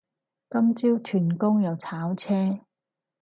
今朝屯公又炒車